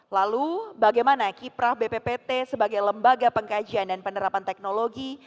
lalu bagaimana kiprah bppt sebagai lembaga pengkajian dan penerapan teknologi